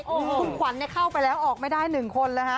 คุณขวัญเข้าไปแล้วออกไม่ได้๑คนเลยฮะ